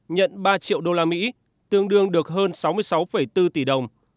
nhận ba triệu đô la mỹ tương đương được hơn sáu mươi sáu bốn tỷ đồng